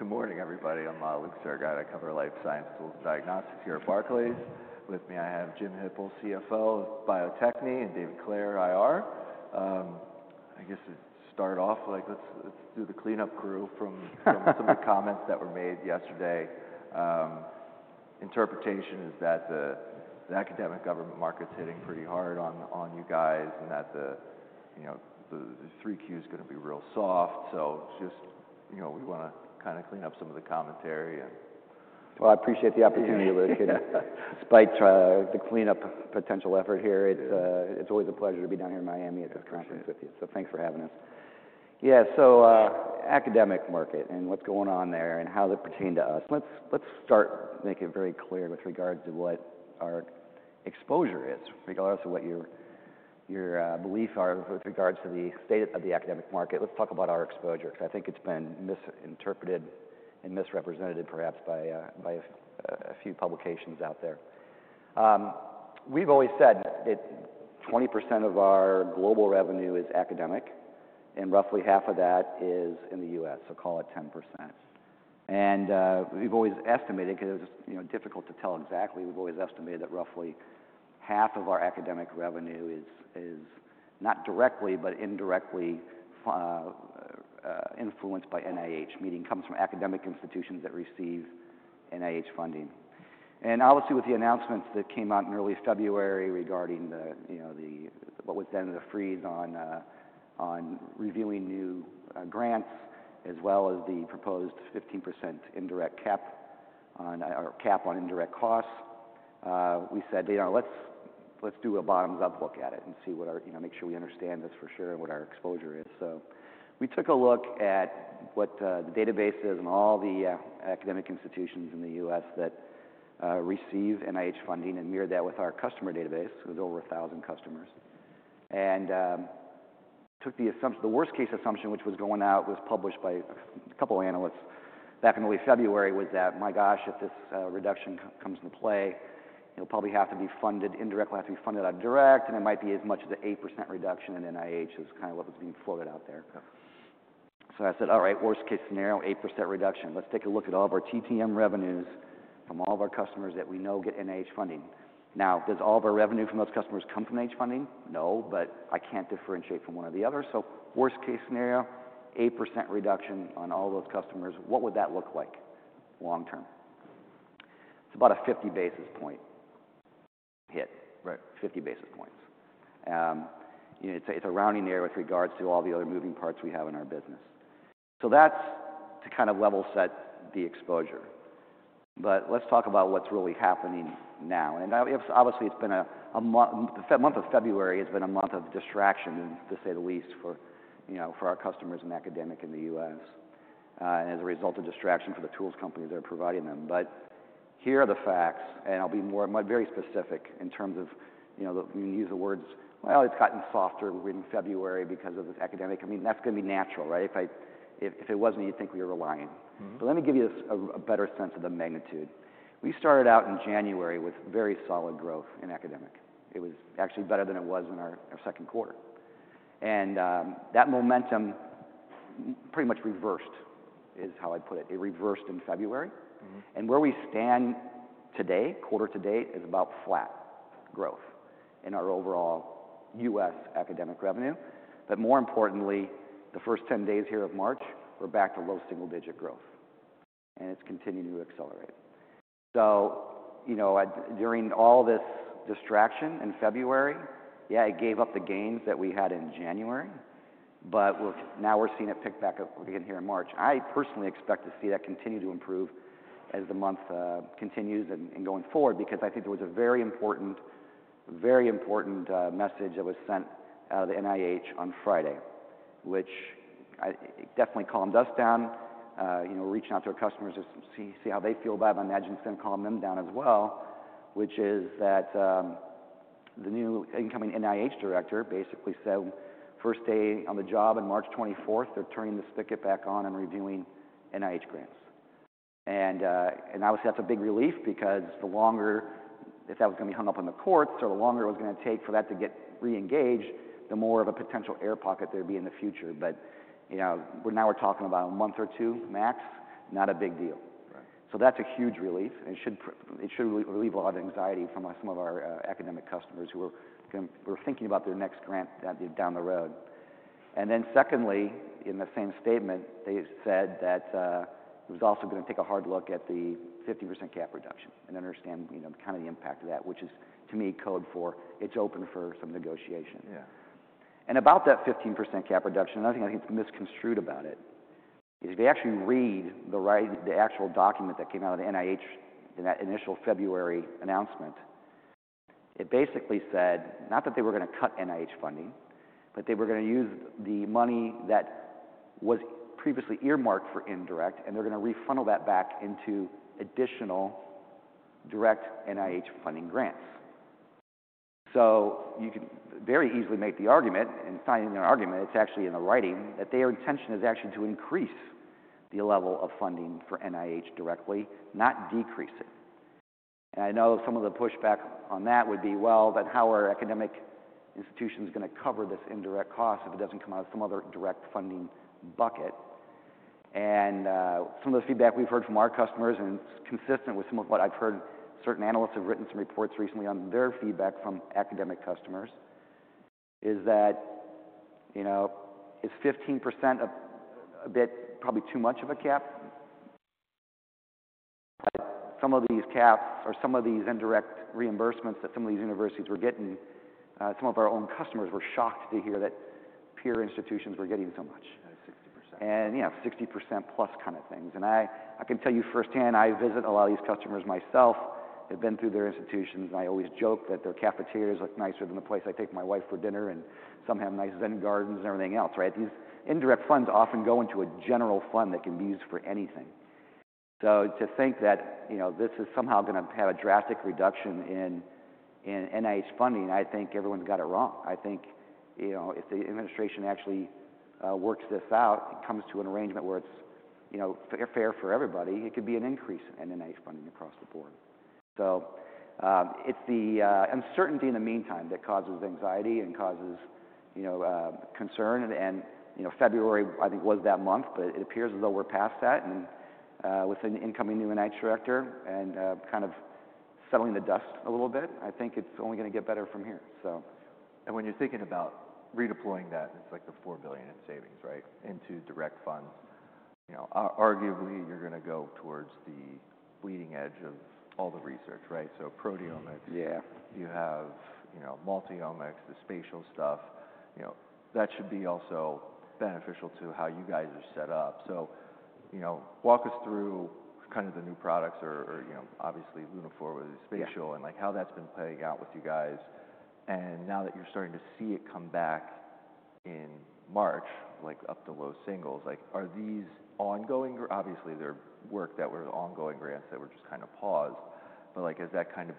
Good morning, everybody. I'm Mahlouk Surguide. I cover life science tools and diagnostics here at Barclays. With me I have Jim Hippel, CFO of Bio-Techne, and David Clair, IR. I guess to start off, let's do the cleanup crew from some of the comments that were made yesterday. Interpretation is that the academic government market's hitting pretty hard on you guys and that the 3Q's are going to be real soft. Just, you know, we want to kind of clean up some of the commentary. I appreciate the opportunity to spite the cleanup potential effort here. It's always a pleasure to be down here in Miami at this conference with you. Thanks for having us. Yeah, academic market and what's going on there and how they pertain to us. Let's start making it very clear with regards to what our exposure is, regardless of what your beliefs are with regards to the state of the academic market. Let's talk about our exposure, because I think it's been misinterpreted and misrepresented, perhaps, by a few publications out there. We've always said that 20% of our global revenue is academic, and roughly half of that is in the US, so call it 10%. We have always estimated, because it was difficult to tell exactly, we have always estimated that roughly half of our academic revenue is not directly, but indirectly influenced by NIH, meaning it comes from academic institutions that receive NIH funding. Obviously, with the announcements that came out in early February regarding what was then the freeze on reviewing new grants, as well as the proposed 15% cap on indirect costs, we said, you know, let's do a bottoms-up look at it and make sure we understand this for sure and what our exposure is. We took a look at what the database is and all the academic institutions in the US that receive NIH funding and mirrored that with our customer database, with over 1,000 customers, and took the assumption, the worst-case assumption, which was going out, was published by a couple of analysts back in early February, was that, my gosh, if this reduction comes into play, it'll probably have to be funded indirectly, have to be funded out of direct, and it might be as much as an 8% reduction in NIH, is kind of what was being floated out there. I said, all right, worst-case scenario, 8% reduction. Let's take a look at all of our TTM revenues from all of our customers that we know get NIH funding. Now, does all of our revenue from those customers come from NIH funding? No, but I can't differentiate from one or the other. Worst-case scenario, 8% reduction on all those customers, what would that look like long-term? It's about a 50 basis point hit, 50 basis points. It's a rounding error with regards to all the other moving parts we have in our business. That's to kind of level set the exposure. Let's talk about what's really happening now. Obviously, it's been a month. The month of February has been a month of distraction, to say the least, for our customers and academics in the US, as a result of distraction for the tools companies that are providing them. Here are the facts, and I'll be very specific in terms of, you know, we use the words, well, it's gotten softer in February because of this academic. I mean, that's going to be natural, right? If it wasn't, you'd think we were relying. Let me give you a better sense of the magnitude. We started out in January with very solid growth in academic. It was actually better than it was in our second quarter. That momentum pretty much reversed, is how I'd put it. It reversed in February. Where we stand today, quarter to date, is about flat growth in our overall US academic revenue. More importantly, the first 10 days here of March, we're back to low single-digit growth. It is continuing to accelerate. You know, during all this distraction in February, yeah, it gave up the gains that we had in January, but now we're seeing it pick back up again here in March. I personally expect to see that continue to improve as the month continues and going forward, because I think there was a very important, very important message that was sent out of the NIH on Friday, which definitely calmed us down. You know, we're reaching out to our customers to see how they feel about it. I imagine it's going to calm them down as well, which is that the new incoming NIH director basically said, first day on the job on March 24, they're turning the spigot back on and reviewing NIH grants. Obviously, that's a big relief, because the longer if that was going to be hung up on the courts or the longer it was going to take for that to get re-engaged, the more of a potential air pocket there'd be in the future. Now we're talking about a month or two, max, not a big deal. That is a huge relief. It should relieve a lot of anxiety from some of our academic customers who were thinking about their next grant down the road. Secondly, in the same statement, they said that it was also going to take a hard look at the 15% cap reduction and understand kind of the impact of that, which is, to me, code for it's open for some negotiation. Yeah. About that 15% cap reduction, another thing I think is misconstrued about it is if you actually read the actual document that came out of the NIH in that initial February announcement, it basically said, not that they were going to cut NIH funding, but they were going to use the money that was previously earmarked for indirect, and they're going to refund that back into additional direct NIH funding grants. You can very easily make the argument, and finding their argument, it's actually in the writing, that their intention is actually to increase the level of funding for NIH directly, not decrease it. I know some of the pushback on that would be, then how are academic institutions going to cover this indirect cost if it doesn't come out of some other direct funding bucket? Some of the feedback we've heard from our customers, and it's consistent with some of what I've heard certain analysts have written some reports recently on their feedback from academic customers, is that, you know, is 15% a bit probably too much of a cap? Some of these caps or some of these indirect reimbursements that some of these universities were getting, some of our own customers were shocked to hear that peer institutions were getting so much. That is 60%. Yeah, 60% plus kind of things. I can tell you firsthand, I visit a lot of these customers myself. I've been through their institutions, and I always joke that their cafeterias look nicer than the place I take my wife for dinner, and some have nice zen gardens and everything else, right? These indirect funds often go into a general fund that can be used for anything. To think that this is somehow going to have a drastic reduction in NIH funding, I think everyone's got it wrong. I think if the administration actually works this out, it comes to an arrangement where it's fair for everybody, it could be an increase in NIH funding across the board. It's the uncertainty in the meantime that causes anxiety and causes concern. February, I think, was that month, but it appears as though we're past that. With an incoming new NIH director and kind of settling the dust a little bit, I think it's only going to get better from here. When you're thinking about redeploying that, it's like the $4 billion in savings, right, into direct funds. Arguably, you're going to go towards the bleeding edge of all the research, right? Proteomics, you have multiomics, the spatial stuff. That should be also beneficial to how you guys are set up. Walk us through kind of the new products, or obviously Lunaphore with the spatial, and how that's been playing out with you guys. Now that you're starting to see it come back in March, like up to low singles, are these ongoing? Obviously, there are work that were ongoing grants that were just kind of paused. As that kind of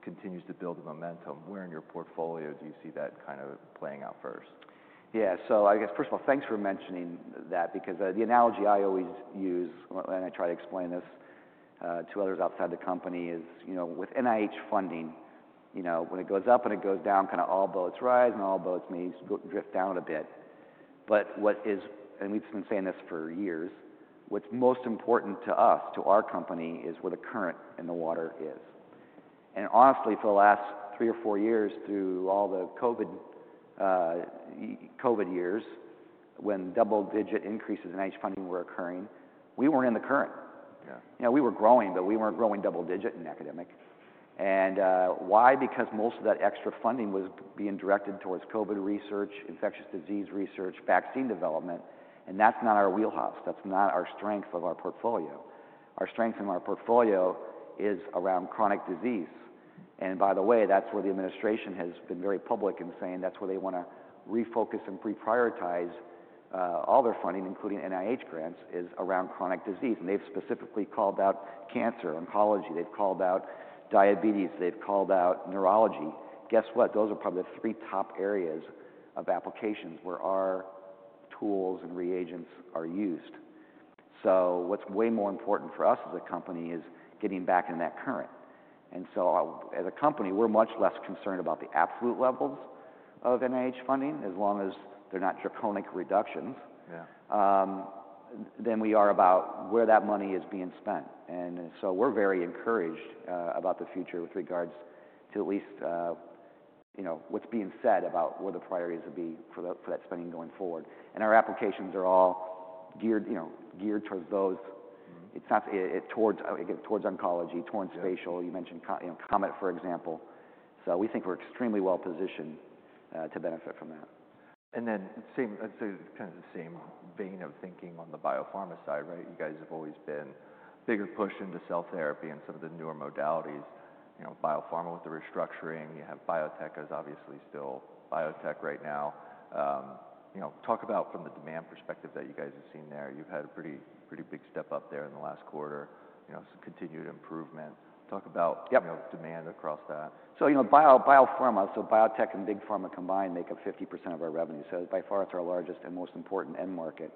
continues to build momentum, where in your portfolio do you see that kind of playing out first? Yeah, first of all, thanks for mentioning that, because the analogy I always use, and I try to explain this to others outside the company, is with NIH funding, when it goes up and it goes down, kind of all boats rise, and all boats may drift down a bit. What is, and we've been saying this for years, what's most important to us, to our company, is where the current in the water is. Honestly, for the last three or four years, through all the COVID years, when double-digit increases in NIH funding were occurring, we weren't in the current. We were growing, but we weren't growing double-digit in academic. Why? Because most of that extra funding was being directed towards COVID research, infectious disease research, vaccine development. That's not our wheelhouse. That's not our strength of our portfolio. Our strength in our portfolio is around chronic disease. By the way, that's where the administration has been very public in saying that's where they want to refocus and reprioritize all their funding, including NIH grants, is around chronic disease. They have specifically called out cancer, oncology. They have called out diabetes. They have called out neurology. Guess what? Those are probably the three top areas of applications where our tools and reagents are used. What is way more important for us as a company is getting back in that current. As a company, we are much less concerned about the absolute levels of NIH funding, as long as they are not draconic reductions, than we are about where that money is being spent. We are very encouraged about the future with regards to at least what is being said about what the priorities would be for that spending going forward. Our applications are all geared towards those, towards oncology, towards spatial. You mentioned COMET, for example. We think we're extremely well positioned to benefit from that. Kind of the same vein of thinking on the biopharma side, right? You guys have always been a bigger push into cell therapy and some of the newer modalities. Biopharma with the restructuring. You have biotech as obviously still biotech right now. Talk about from the demand perspective that you guys have seen there. You've had a pretty big step up there in the last quarter, some continued improvement. Talk about demand across that. Biopharma, so biotech and big pharma combined make up 50% of our revenue. By far, it's our largest and most important end market.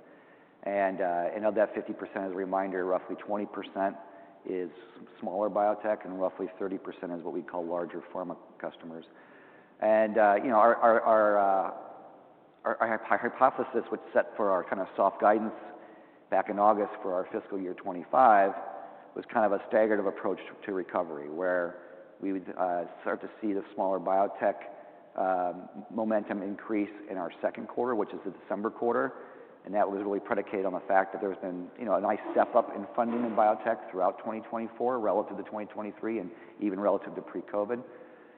Of that 50%, as a reminder, roughly 20% is smaller biotech, and roughly 30% is what we call larger pharma customers. Our hypothesis, which set for our kind of soft guidance back in August for our fiscal year 2025, was kind of a staggered approach to recovery, where we would start to see the smaller biotech momentum increase in our second quarter, which is the December quarter. That was really predicated on the fact that there's been a nice step up in funding in biotech throughout 2024 relative to 2023, and even relative to pre-COVID,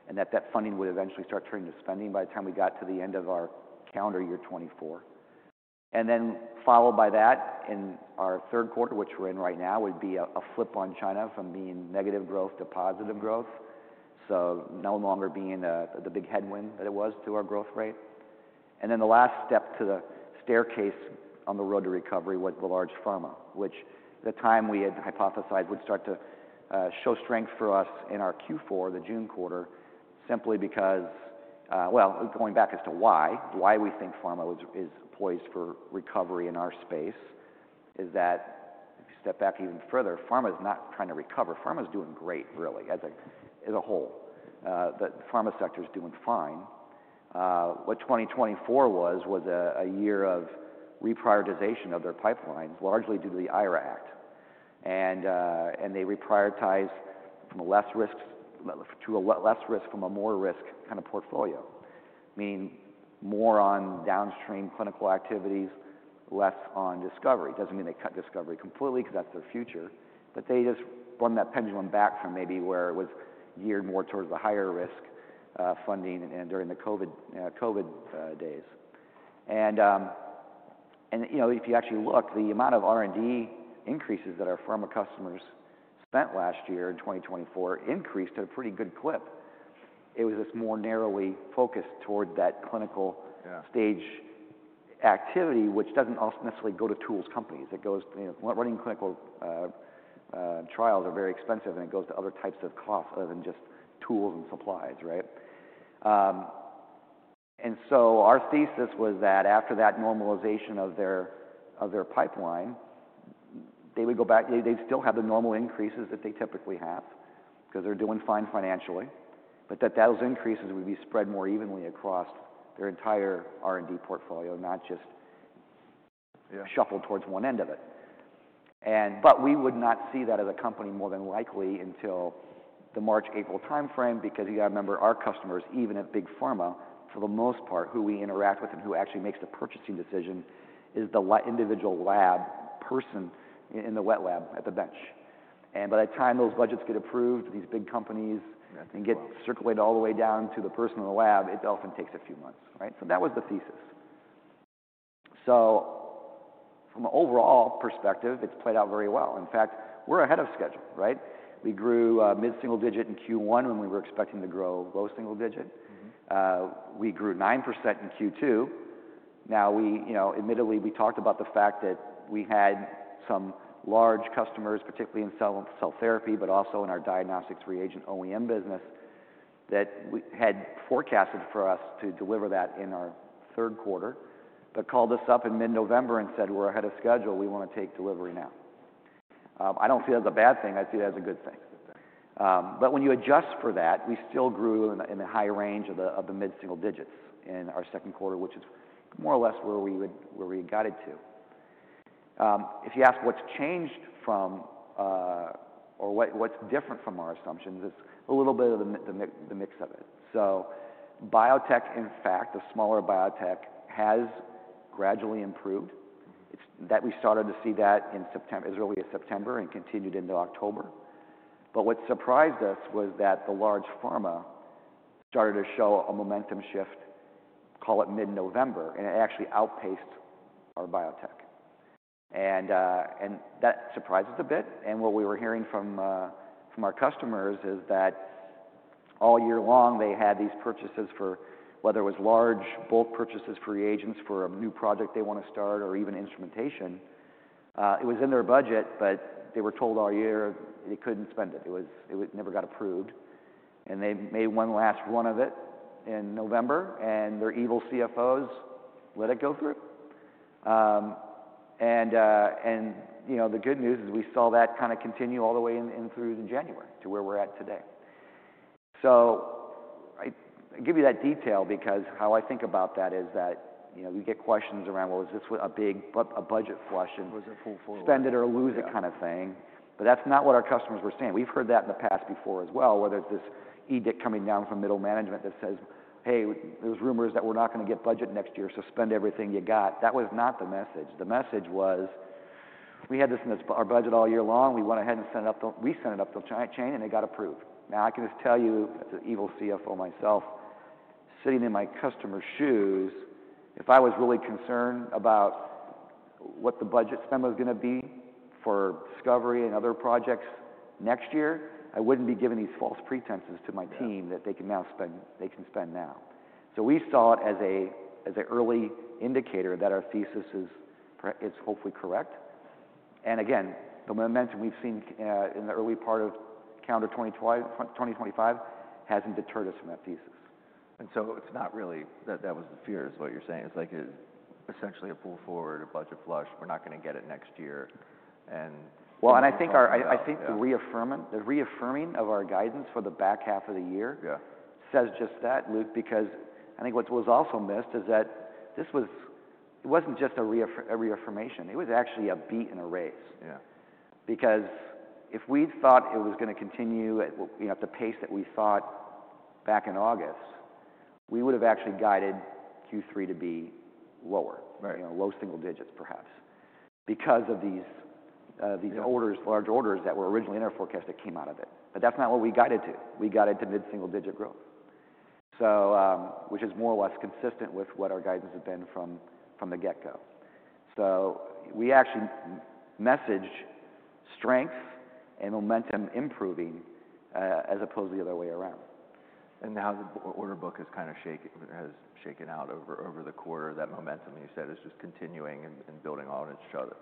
and that that funding would eventually start turning to spending by the time we got to the end of our calendar year 2024. Following that, in our third quarter, which we are in right now, would be a flip on China from being negative growth to positive growth, so no longer being the big headwind that it was to our growth rate. The last step to the staircase on the road to recovery was the large pharma, which at the time we had hypothesized would start to show strength for us in our Q4, the June quarter, simply because, going back as to why, why we think pharma is poised for recovery in our space, is that if you step back even further, pharma is not trying to recover. Pharma is doing great, really, as a whole. The pharma sector is doing fine. What 2024 was, was a year of reprioritization of their pipelines, largely due to the IRA Act. They reprioritized from a less risk to a less risk from a more risk kind of portfolio, meaning more on downstream clinical activities, less on discovery. It does not mean they cut discovery completely, because that is their future, but they just brought that pendulum back from maybe where it was geared more towards the higher risk funding during the COVID days. If you actually look, the amount of R&D increases that our pharma customers spent last year in 2024 increased at a pretty good clip. It was just more narrowly focused toward that clinical stage activity, which does not necessarily go to tools companies. Running clinical trials are very expensive, and it goes to other types of costs other than just tools and supplies, right? Our thesis was that after that normalization of their pipeline, they would go back, they'd still have the normal increases that they typically have, because they're doing fine financially, but that those increases would be spread more evenly across their entire R&D portfolio, not just shuffled towards one end of it. We would not see that as a company more than likely until the March-April time frame, because you got to remember, our customers, even at big pharma, for the most part, who we interact with and who actually makes the purchasing decision is the individual lab person in the wet lab at the bench. By the time those budgets get approved, these big companies and get circulated all the way down to the person in the lab, it often takes a few months, right? That was the thesis. From an overall perspective, it's played out very well. In fact, we're ahead of schedule, right? We grew mid-single digit in Q1 when we were expecting to grow low single digit. We grew 9% in Q2. Admittedly, we talked about the fact that we had some large customers, particularly in cell therapy, but also in our diagnostics reagent OEM business, that we had forecasted for us to deliver that in our third quarter, but called us up in mid-November and said, we're ahead of schedule. We want to take delivery now. I don't see that as a bad thing. I see that as a good thing. When you adjust for that, we still grew in the high range of the mid-single digits in our second quarter, which is more or less where we got it to. If you ask what's changed from or what's different from our assumptions, it's a little bit of the mix of it. So biotech, in fact, the smaller biotech has gradually improved. We started to see that in early September and continued into October. What surprised us was that the large pharma started to show a momentum shift, call it mid-November, and it actually outpaced our biotech. That surprised us a bit. What we were hearing from our customers is that all year long, they had these purchases for whether it was large bulk purchases for reagents for a new project they want to start or even instrumentation. It was in their budget, but they were told all year they couldn't spend it. It never got approved. They made one last run of it in November, and their evil CFOs let it go through. The good news is we saw that kind of continue all the way in through to January to where we're at today. I give you that detail because how I think about that is that we get questions around, well, is this a big budget flush and spend it or lose it kind of thing. That's not what our customers were saying. We've heard that in the past before as well, where there's this edict coming down from middle management that says, hey, there's rumors that we're not going to get budget next year, so spend everything you got. That was not the message. The message was we had this in our budget all year long. We went ahead and set it up. We sent it up the giant chain and it got approved. Now, I can just tell you as an evil CFO myself, sitting in my customer shoes, if I was really concerned about what the budget spend was going to be for discovery and other projects next year, I would not be giving these false pretenses to my team that they can now spend now. We saw it as an early indicator that our thesis is hopefully correct. Again, the momentum we have seen in the early part of calendar 2025 has not deterred us from that thesis. It's not really that that was the fear, is what you're saying. It's like essentially a pull forward, a budget flush. We're not going to get it next year. I think the reaffirming of our guidance for the back half of the year says just that, Luke, because I think what was also missed is that this was not just a reaffirmation. It was actually a beat and a raise. Because if we had thought it was going to continue at the pace that we thought back in August, we would have actually guided Q3 to be lower, low single digits, perhaps, because of these large orders that were originally in our forecast that came out of it. That is not what we guided to. We guided to mid-single digit growth, which is more or less consistent with what our guidance has been from the get-go. We actually messaged strength and momentum improving as opposed to the other way around. Now the order book has kind of shaken out over the quarter. That momentum, you said, is just continuing and building on each other.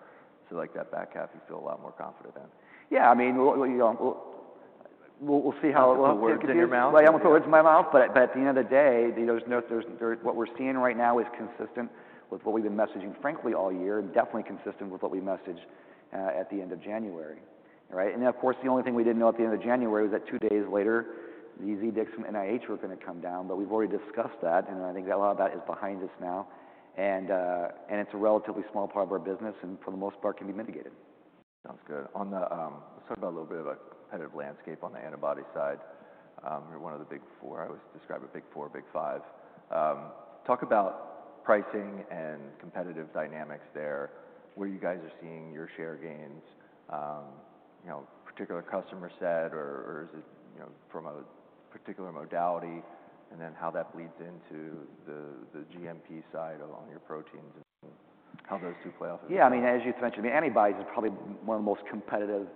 Like that back half, you feel a lot more confident then? Yeah, I mean, we'll see how it works in your mouth. Right, I'm looking towards my mouth, but at the end of the day, what we're seeing right now is consistent with what we've been messaging, frankly, all year, and definitely consistent with what we messaged at the end of January. The only thing we didn't know at the end of January was that two days later, these edicts from NIH were going to come down, but we've already discussed that. I think a lot of that is behind us now. It's a relatively small part of our business, and for the most part, can be mitigated. Sounds good. Let's talk about a little bit of a competitive landscape on the antibody side. You're one of the big four. I always describe it big four, big five. Talk about pricing and competitive dynamics there, where you guys are seeing your share gains, particular customer set, or is it from a particular modality, and then how that bleeds into the GMP side on your proteins and how those two play off? Yeah, I mean, as you mentioned, antibodies are probably one of the most competitive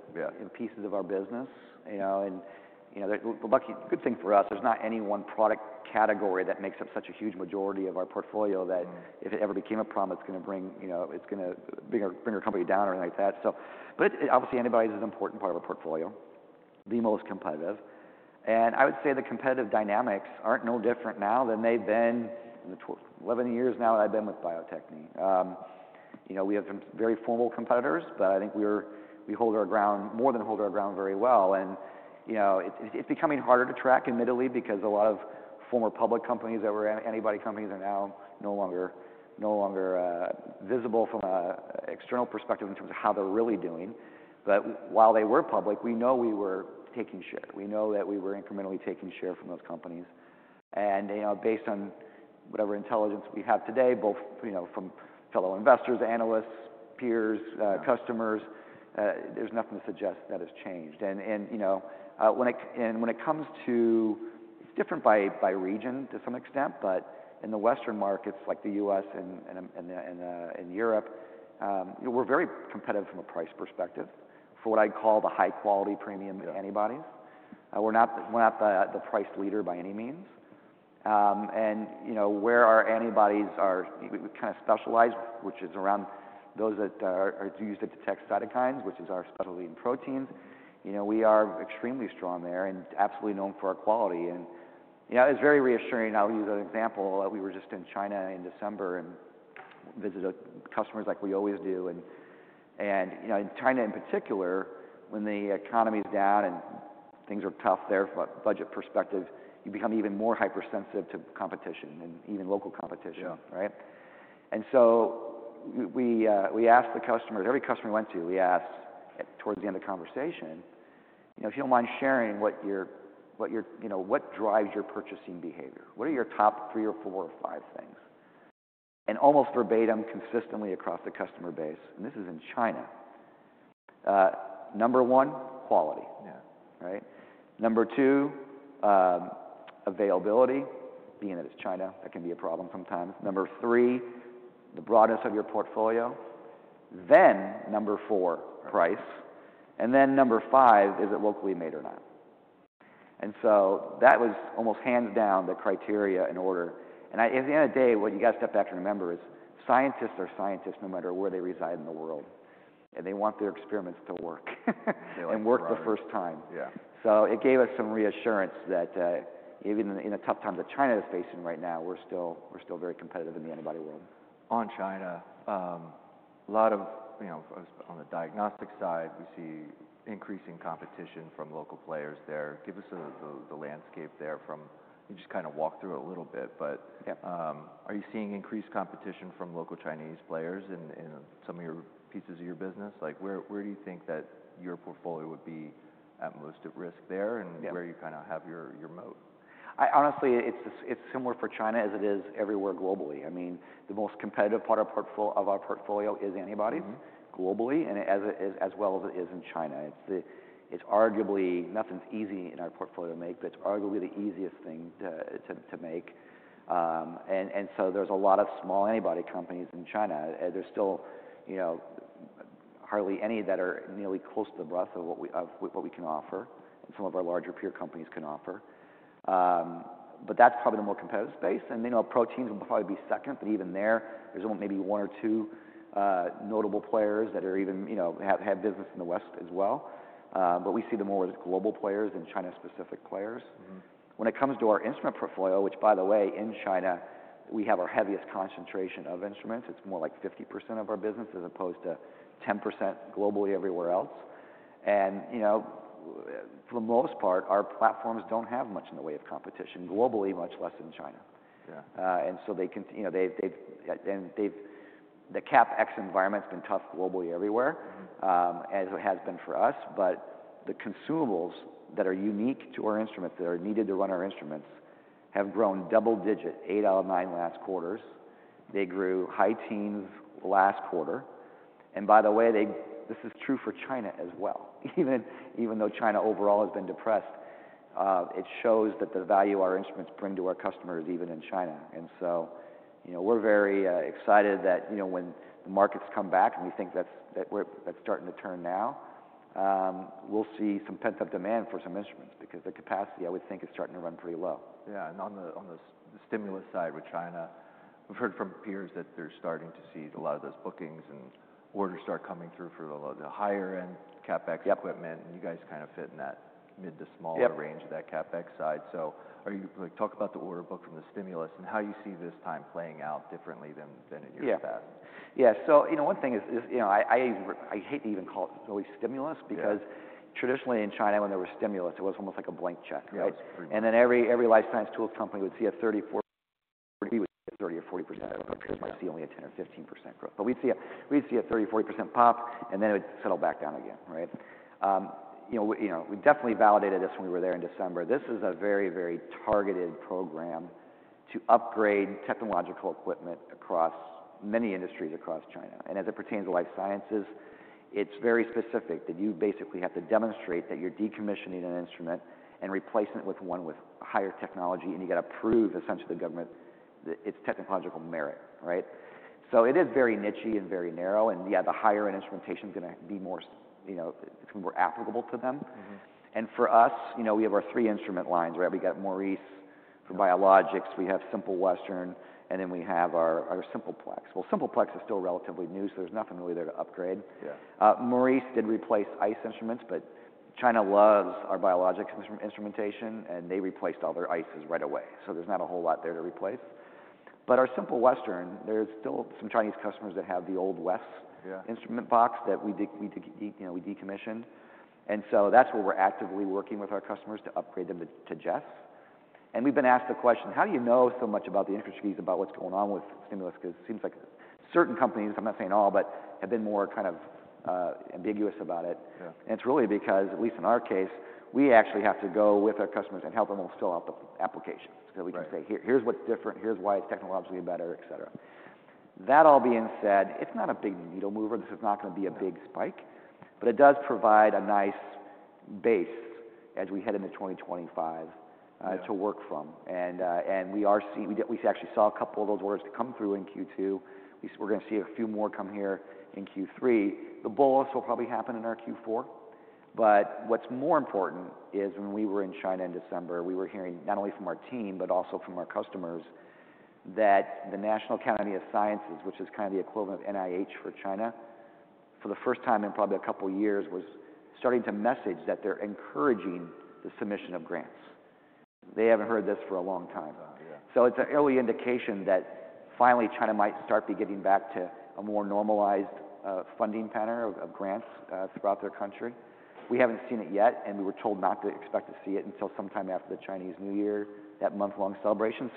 pieces of our business. The lucky good thing for us, there's not any one product category that makes up such a huge majority of our portfolio that if it ever became a problem, it's going to bring your company down or anything like that. Obviously, antibodies is an important part of our portfolio, the most competitive. I would say the competitive dynamics aren't no different now than they've been in the 11 years now that I've been with Bio-Techne. We have some very formal competitors, but I think we hold our ground more than hold our ground very well. It's becoming harder to track, admittedly, because a lot of former public companies that were antibody companies are now no longer visible from an external perspective in terms of how they're really doing. While they were public, we know we were taking share. We know that we were incrementally taking share from those companies. Based on whatever intelligence we have today, both from fellow investors, analysts, peers, customers, there is nothing to suggest that has changed. When it comes to, it is different by region to some extent, but in the Western markets, like the US and Europe, we are very competitive from a price perspective for what I would call the high-quality premium antibodies. We are not the price leader by any means. Where our antibodies are kind of specialized, which is around those that are used to detect cytokines, which is our specialty in proteins, we are extremely strong there and absolutely known for our quality. It is very reassuring. I will use an example. We were just in China in December and visited customers like we always do. In China in particular, when the economy is down and things are tough there from a budget perspective, you become even more hypersensitive to competition and even local competition, right? We asked the customers, every customer we went to, we asked towards the end of the conversation, if you do not mind sharing what drives your purchasing behavior. What are your top three or four or five things? Almost verbatim consistently across the customer base, and this is in China, number one, quality. Number two, availability, being that it is China, that can be a problem sometimes. Number three, the broadness of your portfolio. Number four, price. Number five, is it locally made or not? That was almost hands down the criteria in order. At the end of the day, what you got to step back and remember is scientists are scientists no matter where they reside in the world, and they want their experiments to work and work the first time. It gave us some reassurance that even in the tough times that China is facing right now, we're still very competitive in the antibody world. On China, a lot of on the diagnostic side, we see increasing competition from local players there. Give us the landscape there from you just kind of walk through it a little bit. Are you seeing increased competition from local Chinese players in some of your pieces of your business? Where do you think that your portfolio would be at most at risk there and where you kind of have your moat? Honestly, it's similar for China as it is everywhere globally. I mean, the most competitive part of our portfolio is antibodies globally, as well as it is in China. It's arguably nothing's easy in our portfolio to make, but it's arguably the easiest thing to make. There are a lot of small antibody companies in China. There's still hardly any that are nearly close to the breadth of what we can offer and some of our larger peer companies can offer. That's probably the more competitive space. Proteins will probably be second, but even there, there's only maybe one or two notable players that even have business in the West as well. We see them more as global players than China-specific players. When it comes to our instrument portfolio, which by the way, in China, we have our heaviest concentration of instruments. It's more like 50% of our business as opposed to 10% globally everywhere else. For the most part, our platforms don't have much in the way of competition, globally, much less in China. The CapEx environment has been tough globally everywhere, as it has been for us. The consumables that are unique to our instruments, that are needed to run our instruments, have grown double digit, eight out of nine last quarters. They grew high teens last quarter. By the way, this is true for China as well. Even though China overall has been depressed, it shows that the value our instruments bring to our customers even in China. We are very excited that when the markets come back, and we think that's starting to turn now, we'll see some pent-up demand for some instruments because the capacity, I would think, is starting to run pretty low. Yeah, on the stimulus side with China, we've heard from peers that they're starting to see a lot of those bookings and orders start coming through for the higher-end CapEx equipment. You guys kind of fit in that mid to smaller range of that CapEx side. Talk about the order book from the stimulus and how you see this time playing out differently than in your past. Yeah, so one thing is I hate to even call it really stimulus because traditionally in China, when there was stimulus, it was almost like a blank check. And then every life science tool company would see a 30% or 40% growth. I don't know if you guys might see only a 10% or 15% growth. But we'd see a 30%-40% pop, and then it would settle back down again. We definitely validated this when we were there in December. This is a very, very targeted program to upgrade technological equipment across many industries across China. As it pertains to life sciences, it's very specific that you basically have to demonstrate that you're decommissioning an instrument and replacing it with one with higher technology. You have to prove essentially to the government its technological merit. It is very niche and very narrow. Yeah, the higher-end instrumentation is going to be more applicable to them. For us, we have our three instrument lines. We got Maurice for biologics. We have Simple Western, and then we have our Simple Plex. Simple Plex is still relatively new, so there's nothing really there to upgrade. Maurice did replace iCE instruments, but China loves our biologics instrumentation, and they replaced all their iCEs right away. There's not a whole lot there to replace. Our Simple Western, there's still some Chinese customers that have the old West's instrument box that we decommissioned. That's where we're actively working with our customers to upgrade them to Jess. We've been asked the question, how do you know so much about the industry about what's going on with stimulus? Because it seems like certain companies, I'm not saying all, but have been more kind of ambiguous about it. It's really because, at least in our case, we actually have to go with our customers and help them fill out the applications so that we can say, here's what's different. Here's why it's technologically better, etc. That all being said, it's not a big needle mover. This is not going to be a big spike, but it does provide a nice base as we head into 2025 to work from. We actually saw a couple of those orders come through in Q2. We're going to see a few more come here in Q3. The bulk will probably happen in our Q4. What's more important is when we were in China in December, we were hearing not only from our team, but also from our customers that the National Academy of Sciences, which is kind of the equivalent of NIH for China, for the first time in probably a couple of years, was starting to message that they're encouraging the submission of grants. They haven't heard this for a long time. It is an early indication that finally China might start to be getting back to a more normalized funding pattern of grants throughout their country. We haven't seen it yet, and we were told not to expect to see it until sometime after the Chinese New Year, that month-long celebration.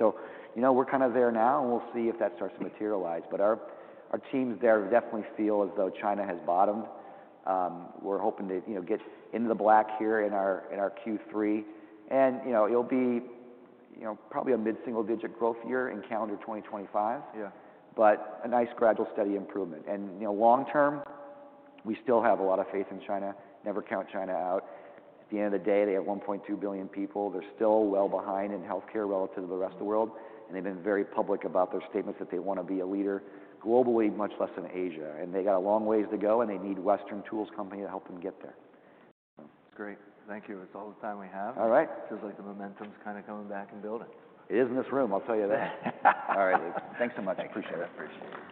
We are kind of there now, and we'll see if that starts to materialize. Our teams there definitely feel as though China has bottomed. We're hoping to get into the black here in our Q3. It'll be probably a mid-single digit growth year in calendar 2025, but a nice gradual steady improvement. Long term, we still have a lot of faith in China. Never count China out. At the end of the day, they have 1.2 billion people. They're still well behind in healthcare relative to the rest of the world. They've been very public about their statements that they want to be a leader globally, much less in Asia. They got a long ways to go, and they need Western tools companies to help them get there. Great. Thank you. That's all the time we have. All right. Feels like the momentum is kind of coming back and building. It is in this room. I'll tell you that. All right, Louk. Thanks so much. I appreciate it. Appreciate it.